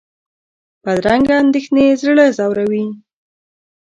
بدرنګه اندېښنې زړه ځوروي